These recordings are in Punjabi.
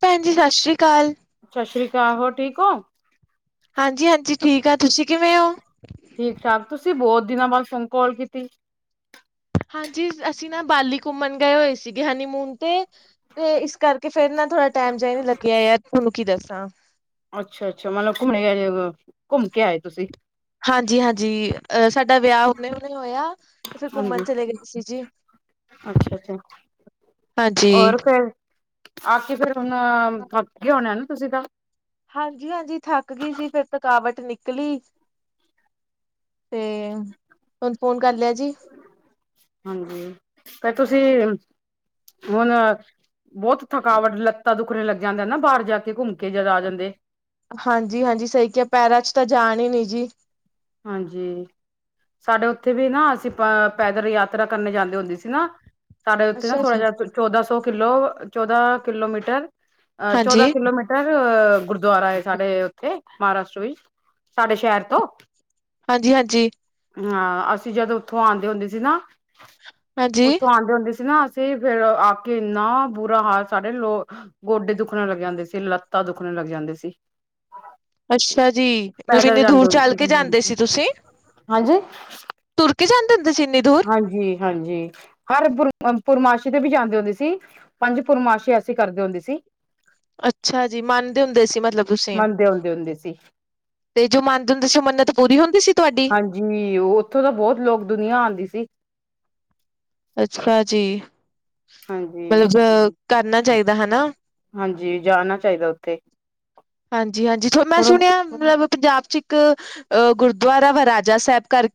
ਭੈਣ ਜੀ ਸਤਿ ਸ੍ਰੀ ਅਕਾਲ। ਸਤਿ ਸ੍ਰੀ ਅਕਾਲ, ਹੋਰ ਠੀਕ ਹੋ? ਹਾਂਜੀ- ਹਾਂਜੀ ਠੀਕ ਆ, ਤੁਸੀਂ ਕਿਵੇਂ ਹੋ? ਠੀਕ- ਠਾਕ ਤੁਸੀਂ ਬਹੁਤ ਦਿਨਾਂ ਬਾਅਦ ਫੋਨ ਕਾਲ ਕੀਤੀ। ਹਾਂਜੀ ਅਸੀਂ ਨਾ ਬਾਲੀ ਘੁੰਮਣ ਗਏ ਹੋਏ ਸੀ ਗੇ ਹਨੀਮੂਨ ਤੇ ਤੇ ਇਸ ਕਰਕੇ ਫੇਰ ਨਾ ਥੋੜਾ ਟਾਈਮ ਜਿਹਾ ਨੀ ਲੱਗਿਆਂ ਯਾ, ਤੁਹਾਨੂੰ ਕੀ ਦੱਸਾਂ। ਅੱਛਾ- ਅੱਛਾ ਮਤਲਬ ਘੁੰਮਣੇ ਗਾਏ ਹੋਏ ਘੁੰਮ ਕੇ ਆਏ ਤੁਸੀਂ। ਹਾਂਜੀ- ਹਾਂਜੀ ਅ ਸਾਡਾ ਵਿਆਹ ਹੁਣੇ- ਹੁਣੇ ਹੋਇਆ। ਤੇ ਫੇਰ ਘੁੰਮਣ ਹਾਂਜੀ ਚਲੇ ਗਏ ਸੀ ਜੀ। ਅੱਛਾ -ਅੱਛਾ ਹਾਂਜੀ ਹੋਰ ਫਿਰ, ਆ ਕੇ ਫਿਰ ਹੁਣ ਥੱਕ ਗਏ ਹੋਣਾ ਨਾ ਤੁਸੀਂ ਤਾਂ। ਹਾਂਜੀ -ਹਾਂਜੀ ਥੱਕ ਗਈ ਸੀ, ਫਿਰ ਥਕਾਵਟ ਨਿਕਲੀ, ਤੇ, ਤਾਨੂੰ ਫੋਨ ਕਰ ਲਿਆ ਜੀ। ਹਾਂਜੀ! ਫਿਰ ਤੁਸੀਂ, ਹੁਣ ਬਹੁਤ ਥਕਾਵਟ, ਲੱਤਾਂ ਦੁਖਣੇ ਲੱਗ ਜਾਂਦਾ ਨਾ ਬਾਹਰ ਜਾ ਕੇ ਘੁੰਮ ਕੇ ਜਦ ਆ ਜਾਂਦੇ, ਹਾਂਜੀ -ਹਾਂਜੀ ਸਹੀ ਕਿਹਾ ਪੈਰਾਂ ਚ ਤਾਂ ਜਾਣ ਹੀ ਨੀ ਜੀ, ਹਾਂਜੀ! ਸਾਡੇ ਉੱਥੇ ਵੀ ਨਾ ਅਸੀਂ ਪੈਦਲ ਯਾਤਰਾ ਕਰਨ ਜਾਂਦੇ ਹੁੰਦੇ ਸੀ ਨਾ, ਸਾਡੇ ਉੱਥੇ ਨਾ ਅੱਛਾ ਥੋੜਾ ਜੀ ਜਿਹਾ ਚੌਦਾਂ ਸੌ ਕਿਲੋ ਚੌਦਾਂ ਕਿਲੋਮੀਟਰ, ਅ ਹਾਂਜੀ ਚੌਦਾਂ ਕਿਲੋਮੀਟਰ ਗੁਰਦੁਆਰਾ ਹੈ, ਸਾਡੇ ਉੱਥੇ ਮਹਾਰਾਸ਼ਟਰ ਵਿੱਚ ਸਾਡੇ ਸ਼ਹਿਰ ਤੋਂ, ਹਾਂਜੀ -ਹਾਂਜੀ ਹਾਂ ਅਸੀਂ ਜਦੋਂ ਉੱਥੋਂ ਆਉਂਦੇ ਹੁੰਦੇ ਸੀ ਨਾ, ਹਾਂਜੀ ਉੱਥੋਂ ਆਉਂਦੇ ਹੁੰਦੇ ਸੀ ਨਾ ਅਸੀਂ ਤੇ ਫਿਰ ਆ ਕੇ ਇੰਨਾ ਬੁਰਾ ਹਾਲ ਸਾਡੇ ਲੋ ਗੋਡੇ ਦੁੱਖਣ ਲੱਗ ਜਾਂਦੇ ਸੀ, ਲੱਤਾਂ ਦੁੱਖਣ ਲੱਗ ਜਾਂਦੇ ਸੀ। [inaudible] ਅੱਛਾ ਜੀ! ਮਤਲਬ ਪੈਦਲ ਇੰਨੀ ਜਾਂਦੇ ਦੂਰ ਹੁੰਦੇ ਚੱਲ ਸੀ ਕੇ ਜਾਂਦੇ ਸੀ ਤੁਸੀਂ, ਹਾਂਜੀ ਤੁਰ ਕੇ ਜਾਂਦੇ ਹੁੰਦਾ ਸੀ ਇੰਨੀ ਦੂਰ। ਹਾਂਜੀ- ਹਾਂਜੀ ਹਰ ਪੁਰ ਪੁਰਨਮਾਸੀ਼ ਤੇ ਵੀ ਜਾਂਦੇ ਹੁੰਦੇ ਸੀ। ਪੰਜ ਪੁਰਨਮਾਸੀ ਅਸੀ ਕਰਦੇ ਹੁੰਦੇ ਸੀ। ਅੱਛਾ ਜੀ! ਮੰਨਦੇ ਹੁੰਦੇ ਸੀ ਮ ਮਤਲਬ ਤੁਸੀਂ, ਮੰਨਦੇ ਆਉਂਦੇ ਹੁੰਦੇ ਸੀ ਤੇ ਜੋ ਮੰਨਦੇ ਹੁੰਦੇ ਸੀ ਮੰਨਤ ਪੂਰੀ ਹੁੰਦੀ ਸੀ ਤੁਹਾਡੀ? ਜੀ, ਉਹ ਉੱਥੋਂ ਤਾਂ ਬਹੁਤ ਲੋਕ ਦੁਨੀਆਂ ਆਉਂਦੀ ਸੀ। ਅੱਛਾ ਜੀ! ਹਾਂਜੀ, ਮਤਲਬ ਕਰਨਾ ਚਾਹੀਦਾ ਹਨਾ! ਹਾਂਜੀ ਜਾਣਾ ਚਾਹੀਦਾ ਉੱਥੇ ਹਾਂਜੀ -ਹਾਂਜੀ ਥੋਨੂੰ ਮੈਂ ਥੋੜਾ ਸੁਣਿਆ ਮਤਲਬ ਪੰਜਾਬ ਚ ਇੱਕ ਅ ਗੁਰਦੁਆਰਾ ਵਾ ਰਾਜਾ ਸਾਹਿਬ ਕਰਕੇ।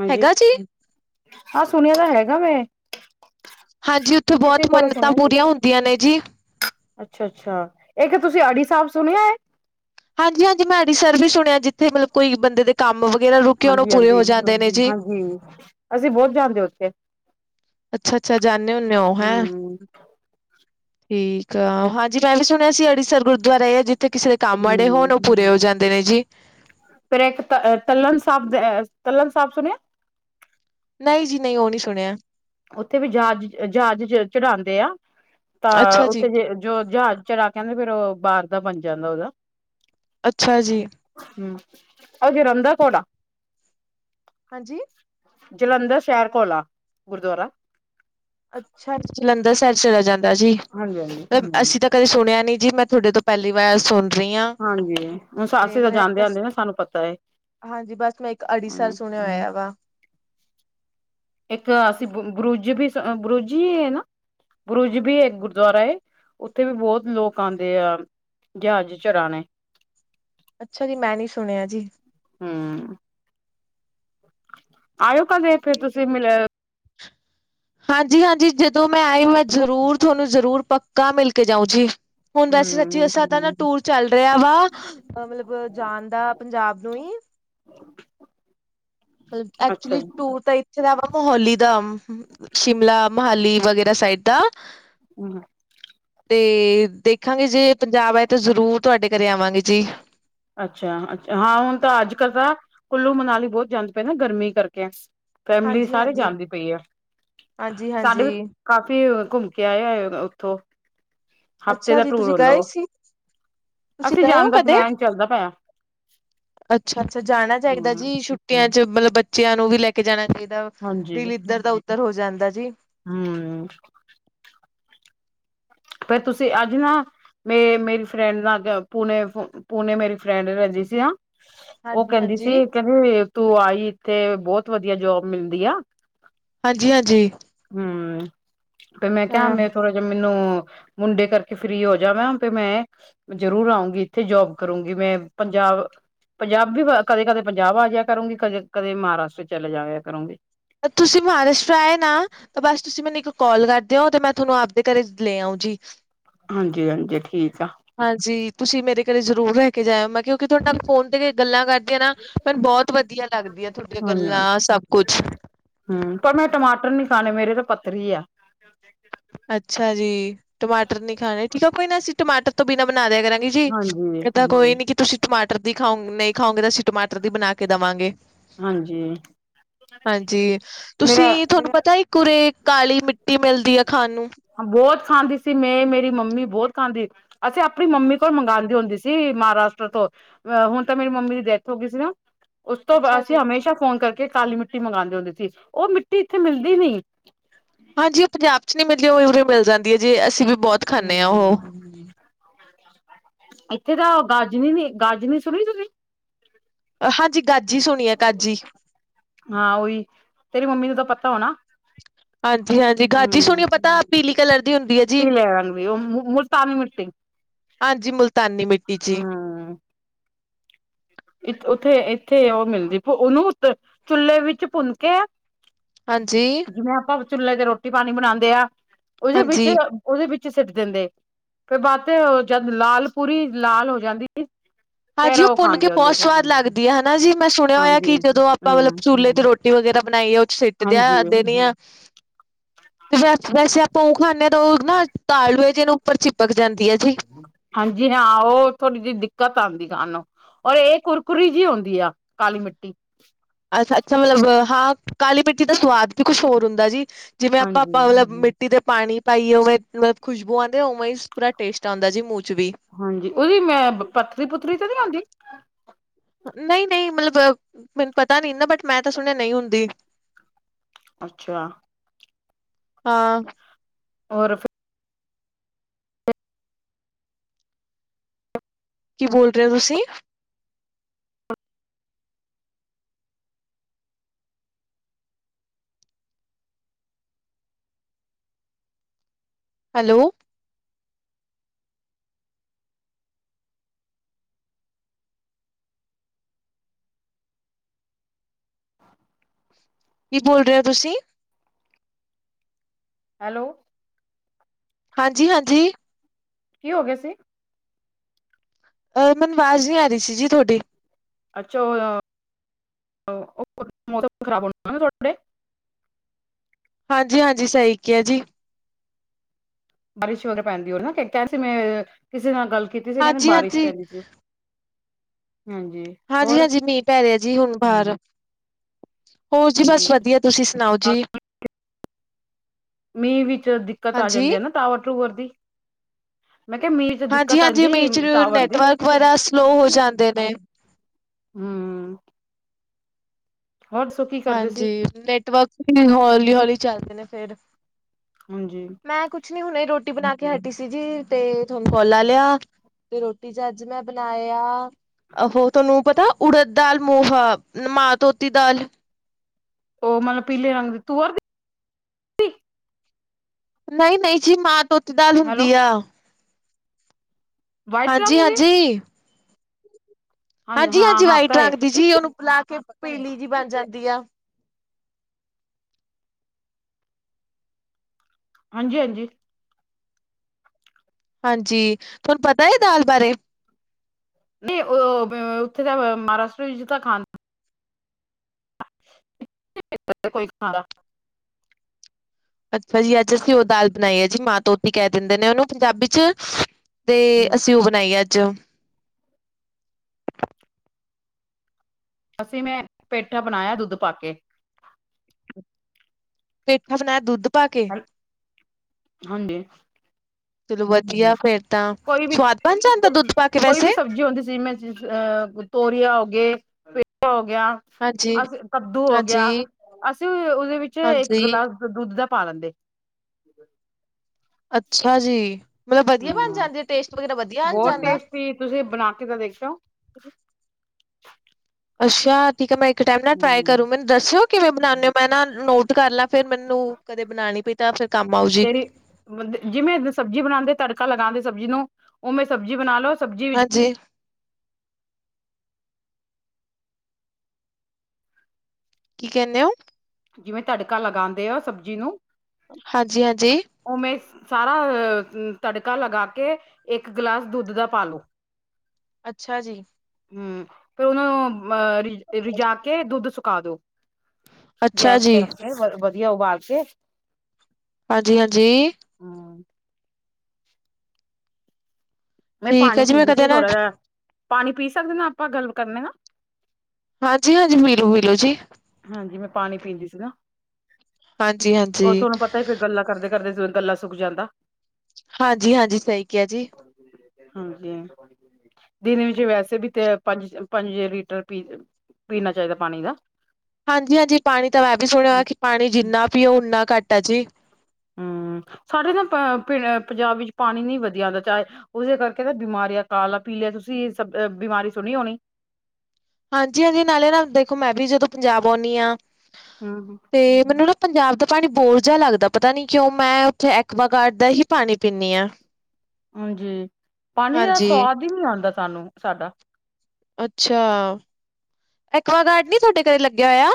ਹਾਂਜੀ! ਹੈਗਾ ਜੀ? ਆਹ ਸੁਣਿਆ ਤਾਂ ਹੈਗਾ ਮੈਂ, ਹਾਂਜੀ! ਉੱਥੇ ਕਿਸੇ ਬਹੁਤ ਕੋਲੋਂ ਮੰਨਤਾਂ ਸੁਣਿਆ ਸੀ। ਪੂਰੀਆਂ ਹੁੰਦੀਆਂ ਨੇ ਜੀ। ਅੱਛਾ- ਅੱਛਾ ਇਕ ਤੁਸੀਂ ਅੜੀਸਰ ਸਾਹਿਬ ਸੁਣਿਆ ਹੈ? ਹਾਂਜੀ -ਹਾਂਜੀ ਮੈਂ ਅੜੀਸਰ ਵੀ ਸੁਣਿਆ ਜਿੱਥੇ ਮਤਲਬ ਕੋਈ ਬੰਦੇ ਦੇ ਕੰਮ ਵਗੈਰਾ ਰੁਕੇ ਉਹਨੂੰ ਪੂਰੇ ਹੋ ਜਾਂਦੇ ਨੇ ਜੀ। ਹੂੰ! ਅਸੀਂ ਬਹੁਤ ਜਾਂਦੇ ਹੋ ਉੱਥੇ! ਅੱਛਾ- ਅੱਛਾ! ਜਾਂਨੇ ਹੁੰਦੇ ਹੋ ਹੈਂ! ਹੂੰ, ਠੀਕ ਆ, ਹਾਂਜੀ! ਮੈਂ ਵੀ ਸੁਣਿਆ ਸੀ ਅੜੀਸਰ ਗੁਰਦੁਆਰਾ ਆ ਜਿੱਥੇ ਕਿਸੇ ਦੇ ਕੰਮ ਅੜੇ ਹੂੰ। ਹੋਣ ਪੂਰੇ ਹੋ ਜਾਂਦੇ ਨੇ ਜੀ। ਫਿਰ ਇੱਕ ਤ ਤਲਣ ਸਾਹਿਬ ਦੇਹ ਤਲਣ ਸਾਹਿਬ ਸੁਣਿਆ। ਨਹੀਂ ਜੀ, ਨਹੀਂ ਉਹ ਨਹੀਂ ਸੁਣਿਆ। ਉੱਥੇ ਵੀ ਜਹਾਜ਼ ਜਹਾਜ਼ ਚੜਾਉਂਦੇ ਆ ਤਾਂ ਅੱਛਾ ਜੀ ਉੱਥੇ ਜੇ ਜੋ ਜਹਾਜ਼ ਚਰਾ ਕਹਿੰਦੇ ਫੇਰ ਉਹ ਬਾਹਰ ਦਾ ਬਣ ਜਾਂਦਾ ਉਹਦਾ! ਅੱਛਾ ਜੀ! ਹੂੰ ਅਗਰ ਘੋੜਾ। ਹਾਂਜੀ! ਜਲੰਧਰ ਸ਼ਹਿਰ ਕੋਲ ਆ ਗੁਰਦੁਆਰਾ। ਅੱਛਾ ਜਲੰਧਰ ਸ਼ਹਿਰ ਚਲਾ ਜਾਂਦਾ ਜੀ, ਹਾਂਜੀ, ਹਾਂਜੀ। ਅਸੀਂ ਤਾਂ। ਕਾ ਸੁਣੇਆ ਨੀ ਜੀ ਮੈਂ ਧੁਡੇ ਤੋਂ ਪੈਲੀ ਵਾਰ ਸੁਣ ਰਹੀ ਹਾਂ ਹਾਂਜੀ, ਹੁਣ ਸ ਤੇ ਅਸੀ ਤਾਂ ਮੈਂ ਜਾਂਦੇ ਬਸ ਆਦੇ ਨਾ ਸਾਨੂੰ ਪਤਾ ਐ। ਹਾਂਜੀ ਬਸ ਮੈਂ ਇੱਕ ਅੜੀਸਰ ਸੁਣੇਆ ਹੋਏਆ ਵਾ। ਇੱਕ ਅ ਅਸੀਂ ਬਰੂ ਬਰੁਜ ਵੀ ਬਰੁਜ ਈ ਏ ਨਾ? ਬਰੁਜ ਵੀ ਇੱਕ ਗੁਰਦੁਆਰਾ ਏ ਓਥੇ ਵੀ ਬੋਤ ਲੋਕ ਆਦੇ ਆ। ਜਹਾਜ਼ ਚਰਾਣੇ। ਅੱਛਾ ਜੀ ਮੈਂ ਨੀ ਸੁਣੇਆ ਜੀ। ਹੂੰ। ਆਏਓ ਕਦੇ ਫੇਰ ਤੁਸੀਂ ਮਿਲਨ। ਹਾਂਜੀ-ਹਾਂਜੀ ਜਦੋਂ ਮੈਂ ਆਈ ਮੈਂ ਜ਼ਰੂਰ ਧੁਆਨੂੰ ਜ਼ਰੂਰ ਪੱਕਾ ਮੇਲ ਕੇ ਜਾਊ ਜੀ। ਹੁਣ ਵੈਸੇ ਸੱਚੀ ਹਮ ਦਸਾ ਤਾਂ ਨਾ ਟੂਰ ਚੱਲ ਰੇਆ ਵਾ ਮਲਵ ਜਾਣ ਦਾ ਪੰਜਾਬ ਨੂੰ ਈ ਮਲ ਅੱਛਾ ਐਕਚਲੀ ਟੂਰ ਤਾਂ ਏਥੇ ਦਾ ਵਾ ਮੋਹੋਲੀ ਦਾ ਸ਼ਿਮਲਾ ਮਹਾਲੀ ਵਗੈਰਾ ਸਾਈਡ ਦਾ [unintelligible] ਤੇ ਦੇਖਾਂਗੇ ਜੇ ਪੰਜਾਬ ਆਏ ਤਾਂ ਜ਼ਰੂਰ ਤੁਆਡੇ ਘਰੇ ਆਵਾਂਗੇ ਜੀ। ਅੱਛਾ ਅਆ ਹਾਂ ਹੁਣ ਤਾਂ ਅੱਜ-ਕੱਲ ਤਾਂ ਕੁੱਲੂ ਮਨਾਲੀ ਬੌ ਜਾਂਦੇ ਪਏ ਨਾ ਗਰਮੀ ਕਰਕੇ। ਫੈਮੇਲੀ ਹਾਂਜੀ, ਸਾਰੇ ਹਾਂਜੀ, ਜਾਂਦੀ ਪਈ ਆ ਹਾਂਜੀ, ਸਾਡੇ ਵੀ ਹਾਂਜੀ ਕਾਫੀ ਘੁੰਮ ਕੇ ਆਏ ਆਏ ਓਥੋਂ। ਅੱਛਾ ਜੀ ਤੁਸੀਂ ਗਏ ਸੀ ਤੁਸੀਂ ਅਸੀਂ ਗਏ ਜਾਣ ਓਂ ਦਾ ਕਦੇ? ਪਲੈਨ ਚੱਲਦਾ ਪਿਆ ਅੱਛਾ-ਅੱਛਾ ਜਾਣਾ ਚਾਈਦਾ ਹਮ ਜੀ ਛੁੱ ਟੀਆਂ ਚ ਮਲਵ ਬੱਚੇਆਂ ਨੂੰ ਵੀ ਲੈ ਕੇ ਜਾਣਾ ਚਾਈਦਾ ਦੀਲੀਦਰ ਦਾ ਉਦਰ ਹੋ ਜਾਂਦਾ ਜੀ। ਹੂੰ। ਫੇਰ ਤੁਸੀਂ ਅੱਜ ਨਾ ਮੇ ਮੇਰੀ ਫਰੈਂਡ ਨਾਲ ਪੁੂਣੇ ਪੁੂਣੇ ਮੇਰੀ ਫਰੈਂਡ ਰੈਂਦੀ ਸੀ ਨਾ ਓ ਹਾਂਜੀ, ਕੈਂਦੀ ਹਾਂਜੀ, ਸੀ ਕੈਂਦੀ ਤੂੰ ਆਈ ਏਥੇ ਬੌਤ ਵਦੀਆ ਜੋਬ ਮਿਲਦੀ ਆ। ਹਾਂਜੀ-ਹਾਂਜੀ। ਹੂੰ ਤੇ ਮੈਂ ਕੇਹਾ ਮੈਂ ਥੋੜਾ ਜੇਆ ਮੈਨੂੰ ਮੁੰਡੇ ਕਰਕੇ ਫ੍ਰਰੀ ਹੋ ਜਾਵਾ ਫੈ ਮੈਂ ਜਰੂਰ ਆਊਂਗੀ ਏਥੇ ਜੌਬ ਕਰੂੰਗੀ ਮੈਂ ਪੰਜਾਬ ਪੰਜਾਬੀ ਕਦੇ-ਕਦੇ ਪੰਜਾਬ ਆਜੇਆ ਕਰੂਗੀ ਕਦੇ-ਕਦੇ ਮਹਾਰਾਸ਼ਟਰ ਸਚਲੇ ਜਾਇਆ ਕਰੋਂਗੀ। ਤੁਸੀਂ ਮਹਾਰਾਸ਼ਟਰ ਆਏ ਨਾ ਤੇ ਬਸ ਤੁਸੀਂ ਮੇਨੂੰ ਏਕ ਕਾਲ ਕਰਦੇ ਹੋ ਮੈ ਮੈਂ ਧਾਨੂੰ ਆਪਦੇ ਘਰੇ ਲੈ ਆਊ ਜੀ। ਹਾਂਜੀ-ਹਾਂਜੀ ਠੀਕ ਆ। ਹਾਂਜੀ ਤੁਸੀਂ ਮੇਰੇ ਘਰੇ ਜ਼ਰੂਰ ਰੈ ਕੇ ਜਾਏਓ ਮੈਂ ਕੇਆ ਜਦੋ ਤੁਹਾਡੇ ਫੋਨ ਤੇ ਗੱਲਾਂ ਕਰਦੀ ਆ ਨਾ ਮੈਨੂੰ ਬੌਤ ਵਦੀਆ ਲੱਗਦੀ ਆ ਤੁਹਾਡੀਆਂ ਗੱਲਾਂ ਸਭ ਕੁਛ ਹੂੰ ਪਰ ਮੈਂ ਟਮਾਟਰ ਨੀ ਖਾਣੇ ਮੇਰੇ ਤਾਂ ਪੱਥਰੀ ਆ। ਅੱਛਾ ਜੀ ਟਮਾਟਰ ਨੀ ਖਾਣੇ ਠੀਕ ਆ ਕੋਈ ਨਾ ਅਸੀਂ ਟਮਾਟਰ ਤੋਂ ਬੀਨਾਂ ਬਣਾ ਦੇਆ ਕਰਾਂਗੀ ਜੀ ਹਾਂਜੀ ਏ ਤਾਂ ਕੋਈ ਨੀ ਕੇ ਤੁਸੀਂ ਟਮਾਟਰ ਦੀ ਖਾਉ ਨੀ ਖਾਓਗੇ ਤਾਂ ਅਸੀਂ ਟਮਾਟਰ ਦੀ ਬਣਾ ਕੇ ਦੇਵਾਂਗੇ। ਹਾਂਜੀ। ਹਾਂਜੀ ਮੇਰਾ ਤੁਸੀਂ ਤੁਆਨੂੰ ਪਤਾ ਈ ਉਰੇ ਕਾਲੀ ਮਿੱਟੀ ਮਿਲਦੀ ਐ ਖਾਾਨ ਨੂੰ ਬੌਤ ਖਾਂਦੀ ਸੀ ਮੈਂ ਮੇਰੀ ਮੰਮੀ ਬੌਤ ਖਾਂਦੀ ਅਸੀਂ ਆਪਣੀ ਮੰਮੀ ਕੋਲ ਮੰਗਾਦੇ ਹੁੰਦੀ ਸੀ ਮਹਾਰਾਸ਼ਟਰ ਤੋਂ ਅ ਹੁਣ ਤਾਂ ਮੇਰੀ ਮੰਮੀ ਦੀ ਡੈਥ ਹੋ ਗਈ ਸੀ ਨਾ ਉਸ ਤੋਂ ਅਸੀਂ ਹਮੇਸ਼ਾ ਫੋਨ ਕਰਕੇ ਕਾਲੀ ਮਿੱਟੀ ਮੰਗਵਾਉਂਦੇ ਹੁੰਦੇ ਸੀ। ਉਹ ਮਿੱਟੀ ਇੱਥੇ ਮਿਲਦੀ ਨਹੀਂ। ਹਾਂਜੀ, ਉਹ ਪੰਜਾਬ 'ਚ ਨਹੀ ਮਿਲਦੀ ਉਹ ਉਰੇ ਮਿਲ ਜਾਂਦੀ ਹੈ। ਅਸੀਂ ਵੀ ਬਹੁਤ ਖਾਂਦੇ ਹਾਂ ਉਹ। ਇੱਥੇ ਤਾਂ ਗਾਜਨੀ ਨੀ, ਗਾਜਨੀ ਸੁਣੀ ਤੁਸੀਂ? ਹਾਂਜੀ, ਗਾਚੀ ਸੁਣੀਏ, ਗਾਚੀ। ਹਾਂ ਓਹੀ, ਤੇਰੀ ਮੰਮੀ ਨੂੰ ਤਾਂ ਪਤਾ ਹੋਣਾ। ਹਾਂਜੀ- ਹਾਂਜੀ, ਗਾਚੀ ਹਮ ਸੁਣੀਓ ਪਤਾ ਪੀਲੀ ਕਲਰ ਦੀ ਹੁੰਦੀ ਹੈ। ਜੀ। ਪੀਲੇ ਰੰਗ ਦੀ ਉਹ ਮੁਲਤਾਨੀ ਮਿੱਟੀ ਹਾਂਜੀ, ਮੁਲਤਾਨੀ ਮਿੱਟੀ ਜੀ। ਹਮ ਉੱਥੇ ਇੱਥੇ ਉਹ ਮਿਲਦੀ ਉਹਨੂੰ ਚੁੱਲੇ ਵਿੱਚ ਭੁੰਨਕੇ ਆ ਹਾਂਜੀ ਜਿਵੇਂ ਆਪਾਂ ਚੁੱਲ੍ਹੇ ਤੇ ਰੋਟੀ- ਪਾਣੀ ਬਣਾਉਂਦੇ ਆ ਉਹਦੇ ਹਾਂਜੀ, ਵਿੱਚ- ਉਹਦੇ ਵਿੱਚ ਸਿੱਟ ਦਿੰਦੇ। ਫਿਰ ਬਾਦ ਤੇ ਜਦ ਲਾਲ ਪੂਰੀ ਲਾਲ ਹੋ ਜਾਂਦੀ ਸੀ। ਫੇਰ ਹਾਂਜੀ, ਉਹ ਭੁੰਨ ਕੇ ਖਾਂਦੇ ਹੁੰਦੇ ਬਹੁਤ ਸੀ ਸਵਾਦ ਲੱਗਦੀ ਹੈ। ਹਨਾ ਜੀ, ਮੈਂ ਸੁਣਿਆ ਹੋਇਆ ਹਾਂਜੀ ਕਿ ਜਦੋਂ ਆਪਾਂ ਮਤਲਬ ਹਮ ਚੁਲੇ ਤੇ ਰੋਟੀ ਵਗੈਰਾ ਬਣਾਈ ਆ ਉਹ ਚ ਸਿੱਟ ਹਾਂਜੀ ਦਿਆਂ ਦੇਣੀ ਆ ਤੇ ਵੈਸ ਵੈਸੇ ਪੋਹ ਖਾਂਦੇ ਤਾਂ ਉਹ ਨਾ ਤਾਲੂ ਜਿਹਨੂੰ ਉੱਪਰ ਚਿਪਕ ਜਾਂਦੀ ਹੈ ਜੀ। ਹਾਂਜੀ -ਹਾਂ, ਉਹ ਥੋੜ੍ਹੀ ਜਿਹੀ ਦਿੱਕਤ ਆਉਂਦੀ ਸਾਨੂੰ ਔਰ ਇਹ ਕੁਰਕੁਰੀ ਜਿਹੀ ਹੁੰਂਦੀ ਆ, ਕਾਲੀ ਮਿੱਟੀ। ਅੱਛਾ -ਅੱਛਾ, ਮਤਲਬ ਹਾਂ ਕਾਲੀ ਮਿੱਟੀ ਦਾ ਸਵਾਦ ਵੀ ਕੁਛ ਹੋਰ ਹੁੰਦਾ ਜੀ। ਜਿਵੇਂ ਆਪਾਂ ਹਾਂਜੀ ਮਤਲਬ ਮਿੱ ਟੀ ਤੇ ਪਾਣੀ ਪਾਈਏ ਉਵੇਂ ਮਤਲ ਖੁਸ਼ਬੂ ਆਉਂਦੇ ਉਵੇ ਹੀ ਪੂਰਾ ਟੇਸਟ ਆਉਂਦਾ ਜੀ ਮੂੰਹ ਚ ਵੀ ਹਾਂਜੀ, ਉਹਦੀ ਮੈਂ ਪੱਥਰੀ -ਪੁੱਥਰੀ ਤੇ ਨੀ ਆਉਂਦੀ। ਨਹੀਂ -ਨਹੀਂ, ਮਤਲਬ ਮੈਨੂੰ ਪਤਾ ਨੀ ਨਾ ਬਟ ਮੈਂ ਤਾਂ ਸੁਣਿਆ ਨਹੀਂ ਹੁੰਦੀ। ਅੱਛਾ, ਹਾਂ ਹੋਰ ਕਿ ਬੋਲ ਰਹੇ ਹੋ ਤੁਸੀਂ? [unintelligible] ਹੈਲੋ! ਕਿ ਬੋਲ ਰਹੇ ਹੋ ਤੁਸੀਂ? ਹੈਲੋ ਹਾਂਜੀ -ਹਾਂਜੀ ਕਿ ਹੋ ਗਿਆਏ ਸੀ? ਅਹ! ਮੈਨੂੰ ਆਵਾਜ਼ ਨਹੀਂ ਆ ਰਹੀ ਸੀ ਜੀ ਤੁਹਾਡੀ। ਅੱਛਾ! ਉਹ ਮੌਸਮ ਖਰਾਬ ਹੋਣਾ ਨਾ ਤੁਹਾਡੇ ਹਾਂਜੀ -ਹਾਂਜੀ, ਸਹੀ ਕਿਹਾ ਜੀ। ਬਾਰਿਸ਼ ਵਗੈਰਾ ਪੈਂਦੀ ਰ ਨਾ, ਕਹ ਸੀ ਮੈਂ ਕਿਸੇ ਨਾਲ ਗੱਲ ਕੀਤੀ ਸੀ, ਕਹਿੰਦੇ ਹਾਂਜੀ ਬਾਰਿਸ਼ ਹਾਂਜੀ ਪੈਂਦੀ ਸੀ। ਹਾਂਜੀ ਹਾਂਜੀ ਹੋਰ -ਹਾਂਜੀ, ਮੀਂਹ ਪੈ ਰਿਹਾ ਜੀ ਹੁਣ ਬਾਹਰ, ਹੋਰ ਜੀ ਹਾਂਜੀ ਬਸ ਵਧੀਆ। ਤੁਸੀਂ ਸੁਣਾਓ ਜੀ? ਮੀਂਹ ਵਿੱਚ ਦਿੱਕਤ ਆ ਹਾਂਜੀ ਜਾਂਦੀ ਹੈ ਨਾ ਟਾਵਰ -ਟੂਵਰ ਦੀ। ਮੈਂ ਕਿਹਾ ਮੀਂਹ ਚ ਹਾਂਜੀ ਦਿੱਕਤ -ਹਾਂਜੀ, ਆਂਦੀ ਮੀਹ 'ਚ ਟਾਵਰ ਦੀ ਨੈਟਵਰਕ ਵਗੈਰਾ ਸਲੋਅ ਹੋ ਜਾਂਦੇ ਨੇ। ਹਮਮ ਹੋਰ ਦਸੋ ਕਿ ਹਾਂਜੀ, ਨੈਟਵਰਕ ਵੀ ਹੌਲੀ -ਹੌਲੀ ਚੱਲਦੇ ਨੇ ਫੇਰ। ਹਾਂਜੀ ਮੈਂ ਕੁਛ ਨੀ ਹੁਣੇ ਰੋਟੀ ਬਣਾ ਕੇ ਹਟੀ ਸੀ ਜੀ, ਤੇ ਤੁਹਾਨੂੰ ਕੋਲ ਲਾ ਲਿਆ। ਤੇ ਰੋਟੀ ਚ ਅੱਜ ਮੈਂ ਬਣਾਇਆ। ਆਹੋ ਤੁਹਾਨੂੰ ਪਤਾ ਉੜ ਦਾਲ ਮੋਹ ਮਾਂ ਧੋਤੀ ਦਾਲ ਓ ਮਤਲਬ ਪੀਲੇ ਰੰਗ ਦੀ ਤੂੰਰ ਦੀ ਨਈ ਨਈ, ਜੀ ਮਾਂ ਧੋਂਤੀ ਦਾਲ ਦੀ ਹੈਲੋ ਹੁੰਦੀ ਆ। ਵਾਈਟ ਹਾਂਜੀ ਰੰਗ ਦੀ ਹਾਂਜੀ। ਹਾਂਜੀ ਹਾਂ ਹਾਂਜੀ, ਹਾਂ ਵਾਈਟ ਪਤਾ ਹੈ ਰੰਗ ਦੀ ਜੀ ਇੱਕ ਉਹਨੂੰ ਬੁਲਾ ਕੇ ਪੀਲੀ ਜੀ ਬਣ ਜਾਂਦੀ ਆ। ਹਾਂਜੀ ਹਾਂਜੀ, ਹਾਂਜੀ, ਤੁਹਾਨੂੰ ਪਤਾ ਐ ਦਾਲ ਬਾਰੇ, ਨਈ, ਉਹ ਉੱਥੇ ਤਾਂ ਮਹਾਰਾਸ਼ਟਰ ਵਿੱਚ ਤਾਂ ਖਾ ਕੋਈ ਖਾਦਾ ਅੱਛਾ ਜੀ, ਅੱਜ ਅਸੀਂ ਉਹ ਦਾਲ ਬਣਾਈ ਐ ਜੀ ਮਾਂ ਧੋਤੀ ਕਹਿ ਦਿੰਦੇ ਨੇ ਉਹਨੂੰ ਪੰਜਾਬੀ ਚ। ਤੇ ਅਸੀਂ ਓ ਬਣਾਈਏ ਅੱਜ। ਅਸੀਂ ਮੈਂ ਪੇਠਾ ਬਣਾਇਆ ਦੁੱਧ ਪਾ ਕੇ। ਪੇਠਾ ਬਣਾਇਆ ਦੁੱਧ ਪਾ ਕੇ। ਹਾਂਜੀ, ਚਲੋ ਵਧੀਆ ਫੇਰ ਤਾਂ ਸਵਾਦ ਬਣ ਜਾਂਦਾ ਦੁੱਧ ਪਾ ਕੇ ਵੈਸੇ। [unintelligible] ਅਹ ਤੋਰੀਆਂ ਹੋ ਗੇ ਪੇਠਾ ਹੋ ਗਿਆ। ਹਾਂਜੀ ਅਸੀਂ ਕੱਦੂ ਹੋ ਗਿਆ ਹਾਂਜੀ ਅਸੀਂ ਉਹਦੇ ਵਿੱਚ ਇੱਕ ਹਾਂਜੀ ਗਲਾਸ ਦੁੱਧ ਦਾ ਪਾ ਲੈਂਦੇ। ਅੱਛਾ ਜੀ, ਮਤਲਬ ਵਧੀਆ ਬਣ ਹੂੰ ਜਾਂਦੀ ਟੇਸਟ ਵਗੈਰਾ ਵਧੀਆ ਬਣ ਬਹੁਤ ਜਾਂਦਾ। ਟੇਸਟੀ ਤੁਸੀਂ ਬਣਾ ਕੇ ਤਾਂ ਦੇਖਿਓ। ਅੱਛਾ, ਠੀਕ ਐ ਮੈਂ ਇੱਕ ਟਾਈਮ ਨਾ ਟਰਾਈ ਹੂੰ ਕਰੂ ਮੈਂ। ਦੱਸਿਓ ਕਿਵੇਂ ਬਣਾਨੇ ਓ ਮੈਂ ਨਾ ਨੋਟ ਕਰ ਲਾ ਫੇਰ ਮੈਨੂੰ ਕਦੇ ਬਣਾਣੀ ਪਈ ਤਾਂ ਫਿਰ ਕੰਮ ਆਉ ਜੀ। ਤੇਰੀ ਜਿਵੇਂ ਸਬਜ਼ੀ ਬਣਾਂਦੇ ਤੜਕਾ ਲਗਾਂਦੇ ਸਬਜ਼ੀ ਨੂੰ ਉਵੇਂ ਸਬਜ਼ੀ ਬਣਾਲੋ ਸਬਜ਼ੀ। ਵਿੱਚ ਜੀ। ਕੀ ਕਹਿੰਨੇ ਓ। ਜਿਵੇਂ ਤੜਕਾ ਲਗਾਂਦੇ ਆ ਸਬਜ਼ੀ ਨੂੰ। ਹਾਂਜੀ ਹਾਂਜੀ। ਉਵੇਂ ਸਾਰਾ ਤੜਕਾ ਲਗਾ ਕੇ ਇੱਕ ਗਲਾਸ ਦੁੱਧ ਦਾ ਪਾਲੋ। ਅੱਛਾ ਜੀ। ਹੂੰ, ਫਿਰ ਉਹਨੂੰ ਅਹ ਰਿਝਾ ਕੇ ਦੁੱਧ ਸੁਕਾ ਦੋ। ਅੱਛਾ ਗੈਸ ਤੇ ਜੀ, ਰੱਖੇ ਵ ਵਧੀਆ ਉਬਾਲ ਕੇ। ਹਾਂਜੀ ਹਾਂਜੀ। ਹਮ ਮੈਂ ਠੀਕ ਐ ਪਾਣੀ ਜੀ ਮੈਂ ਪੀਂਦੀ ਕਦੇ ਸੀ ਨਾ ਥੋੜ੍ਹਾ ਜਾ ਪਾਣੀ ਪੀ ਸਕਦੇ ਨਾ ਆਪਾਂ ਗੱਲ ਕਰਨੀ ਆ। ਹਾਂਜੀ ਹਾਂਜੀ, ਮਿਲੋ ਮਿਲੋ ਜੀ। ਹਾਂਜੀ, ਮੈਂ ਪਾਣੀ ਪੀਂਦੀ ਸੀ ਨਾ ਔਰ ਹਾਂਜੀ-ਹਾਂਜੀ, ਤੁਹਾਨੂੰ ਪਤਾ ਗੱਲਾਂ ਕਰਦੇ ਕਰਦੇ ਜਿਵੇਂ ਗਲਾਂ ਸੁੱਕ ਜਾਂਦਾ। ਹਾਂਜੀ ਹਾਂਜੀ, ਸਹੀ ਕਿਹਾ ਜੀ। ਹਾਂਜੀ। ਦਿਨ ਵਿੱਚ ਵੈਸੇ ਵੀ ਤੇ ਪੰਜ ਪੰਜ ਲੀਟਰ ਪੀ ਪੀਣਾ ਚਾਹੀਦਾ ਪਾਣੀ ਦਾ। ਹਾਂਜੀ ਹਾਂਜੀ, ਪਾਣੀ ਤਾਂ ਮੈਂ ਵੀ ਸੁਣਿਆ ਕਿ ਪਾਣੀ ਜਿੰਨਾ ਪੀਓ ਓਨਾ ਘੱਟ ਆ ਜੀ। ਹੂੰ, ਸਾਡੇ ਨਾ ਪੰਜਾਬ ਵਿੱਚ ਪਾਣੀ ਨੀ ਵਧੀਆ ਹੁੰਦਾ ਚਾਹੇ। ਉਸਦੇ ਕਰਕੇ ਤਾਂ ਬਿਮਾਰੀਆਂ ਕਾਲਾ ਪੀ ਲਿਆ ਤੁਸੀਂ ਸਹ ਬਿਮਾਰੀ ਸੁਣੀ ਹੋਣੀ। ਹਾਂਜੀ ਹਾਂਜੀ, ਨਾਲੇ ਨਾਲ ਦੇਖੋ ਮੈਂ ਵੀ ਜਦੋਂ ਪੰਜਾਬ ਆਉਣੀ ਆ। ਹੂੰ, ਤੇ ਮੈਨੂੰ ਨਾ ਪੰਜਾਬ ਦਾ ਪਾਣੀ ਬੋਰ ਜਿਹਾ ਲੱਗਦਾ ਪਤਾ ਨਹੀਂ ਕਿਉਂ ਮੈਂ ਉੱਥੇ ਐਕਵਾ ਗਾਰਡ ਦਾ ਹੀ ਪਾਣੀ ਪੀਣੀ ਆ। ਹਾਂਜੀ, ਪਾਣੀ ਦਾ ਹਾਂਜੀ, ਸਵਾਦ ਈਏ ਨੀ ਆਂਦਾ ਸਾਨੂੰ ਸਾਡਾ। ਅੱਛਾ, ਐਕਾਆਗਾਰਡ ਨੀ ਤੁਹਾਡੇ ਘਰੇ ਲੱਗਿਆ ਹੋਇਆ।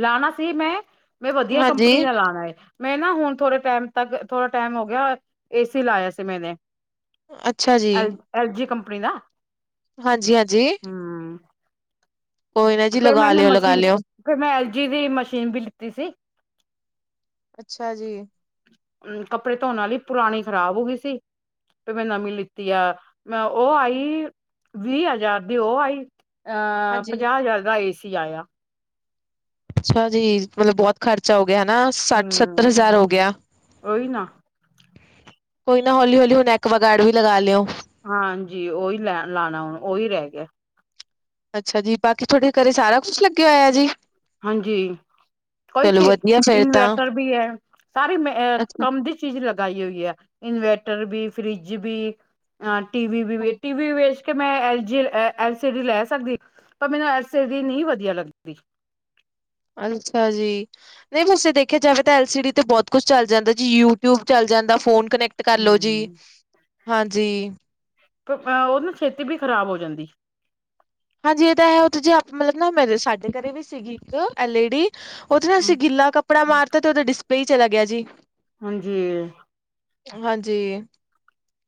ਲਾਣਾ ਸੀ ਮੈਂ ਮੈਂ ਵਧੀਆ ਕੰਪਨੀ ਹਾਂਜੀ, ਦਾ ਲਾਣਾ ਏ। ਮੈਂ ਨਾ ਹੁਣ ਥੋੜੇ ਟੈਮ ਤੱਕ ਥੋੜਾ ਟੈਮ ਹੋ ਗਿਆ ਏ ਸੀ ਲਾਇਆ ਸੀ ਮੈਨੇ। ਅੱਛਾ ਜੀ। ਐਲਜੀ ਕੰਪਨੀ ਦਾ। ਹਾਂਜੀ ਹਾਂਜੀ। ਹੂੰ, ਜੀ ਫੇਰ ਲਗਾ ਮੈਂਨੇ ਲਿਓ, ਲਗਾ ਮਸ਼ੀਨ ਲਿਓ। ਫੇਰ ਮੈਂ ਐਲ ਜੀ ਦੀ ਮਸ਼ੀਨ ਵੀ ਲਿੱਤੀ ਸੀ। ਅੱਛਾ ਜੀ। ਕੱਪੜੇ ਧੋਣ ਵਾਲੀ ਪੁਰਾਣੀ ਖਰਾਬ ਹੋਗੀ ਸੀ। ਤੇ ਮੈਂ ਨਵੀਂ ਲਿੱਤੀ ਆ ਮੈਂ ਓ ਆਈ ਵੀਹ ਹਜ਼ਾਰ ਦੀ ਓ ਆਈ। ਅਹ ਹਾਂਜੀ ਪੰਜਾਹ ਹਜ਼ਾਰ ਦਾ ਏ ਸੀ ਆਇਆ। ਅੱਛਾ ਜੀ, ਮਤਲਬ ਬਹੁਤ ਖਰਚਾ ਹੋ ਗਿਆ ਹਨਾ ਸੱਠ ਸੱਤਰ ਹੂੰ, ਹਜ਼ਾਰ ਹੋ ਗਿਆ। ਉਹੀ ਨਾ ਕੋਈ ਨਾ ਹੌਲੀ ਹੌਲੀ ਹੁਣ ਐਕਵਾਗਾਰੜ ਵੀ ਲਗਾ ਲਿਓ। ਹਾਂਜੀ, ਓਹੀ ਲੈ ਲਾਣਾ ਹੁਣ ਓਹੀ ਰਹਿ ਗਿਆ। ਅੱਛਾ ਜੀ, ਬਾਕੀ ਤੁਹਾਡੇ ਘਰੇ ਸਾਰਾ ਕੁਛ ਲੱਗਿਆ ਹੋਇਆ ਜੀ। ਹਾਂਜੀ, ਕੋਈ ਚਲੋ ਸੀ ਵਧੀਆ ਫੇਰ ਤਾਂ ਇਨਵੇਟਰ ਵੀ ਐ ਸਾਰੀ ਮੈਂ ਅੱਛਾ ਕੰਮ ਦੀ ਚੀਜ਼ ਲਗਾਈ ਹੋਈ ਐ ਇਨਵੈਟਰ ਵੀ ਫਰਿੱਜ਼ ਵੀ। ਹਾਂ, ਟੀ ਵੀ ਟੀਵੀ ਵੇਚ ਕੇ ਮੈਂ ਐਲਜੀ ਐਲ ਸੀ ਡੀ ਲੈ ਸਕਦੀ। ਪਰ ਮੈਨੂੰ ਐਸੇ ਦੀ ਨੀ ਵਧੀਆ ਲੱਗਦੀ। ਅੱਛਾ ਜੀ। ਨਈ ਵੈਸੇ ਦੇਖਿਆ ਜਾਵੇ ਤਾਂ ਐਲ ਸੀ ਡੀ ਤੇ ਬਹੁਤ ਕੁਛ ਚਲ ਜਾਂਦਾ ਜੀ ਯੂਟਊਬ ਚਲ ਜਾਂਦਾ ਫੋਨ ਕਨੈਕ ਟ ਕਰਲੋ ਜੀ ਹਮ ਹਾਂਜੀ। ਓ ਨਾ ਛੇਤੀ ਵੀ ਖ਼ਰਾਬ ਹੋ ਜਾਂਦੀ। ਹਾਂਜੀ, ਇਹ ਤਾਂ ਐ ਓ ਤਾਂ ਜੇ ਮਤਲਬ ਨਾ ਮੇਰੇ ਸਾਡੇ ਘਰੇ ਵੀ ਸੀਗੀ ਇੱਕ ਐਲ ਈ ਡੀ। ਓ ਤੇ ਨਾ ਅਸੀਂ ਹਮ, ਗਿੱਲਾ ਕੱਪੜਾ ਮਾਰਤਾ ਤੇ ਓਦਾਂ ਡਿਸਪਲੇ ਈ ਚਲਾ ਗਿਆ ਜੀ। ਹਾਂਜੀ। ਹਾਂਜੀ।